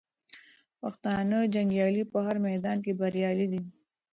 پښتانه جنګیالي په هر میدان کې بریالي دي.